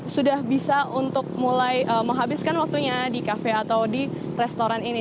sudah bisa untuk mulai menghabiskan waktunya di kafe atau di restoran ini